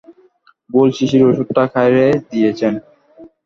গোল শিশির ওষুধটা খাইরে দিয়েছেন?